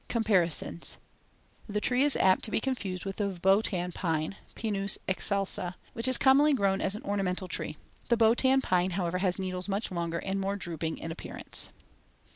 Comparisons: The tree is apt to be confused with the Bhotan pine (Pinus excelsa), which is commonly grown as an ornamental tree. The Bhotan pine, however, has needles much longer and more drooping in appearance.